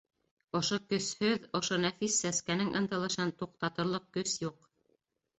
Ошо көсһөҙ, ошо нәфис сәскәнең ынтылышын туҡтатырлыҡ көс юҡ!